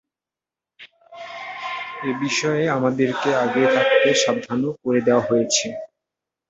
এ বিষয়ে আমাদেরকে আগে থাকতে সাবধানও করে দেয়া হয়েছে।